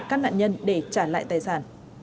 các nạn nhân để trả lại tài sản